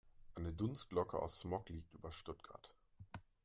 Eine Dunstglocke aus Smog liegt über Stuttgart.